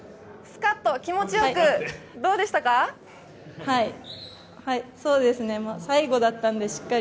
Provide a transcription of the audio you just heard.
スカッと、気持ちよく、どうでしたか？